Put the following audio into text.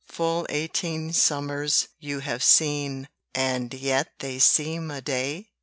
Full eighteen summers you have seen, And yet they seem a day?